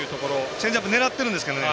チェンジアップを狙ってるんですけどね。